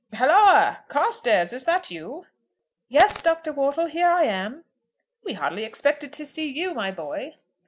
"Halloa! Carstairs, is that you?" "Yes, Dr. Wortle, here I am." "We hardly expected to see you, my boy."